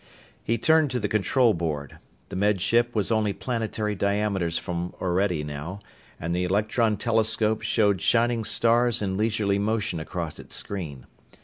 He turned to the control board. The Med Ship was only planetary diameters from Orede, now, and the electron telescope showed shining stars in leisurely motion across its screen.